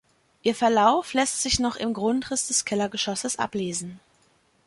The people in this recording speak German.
Ihr Verlauf lässt sich noch im Grundriss des Kellergeschosses ablesen.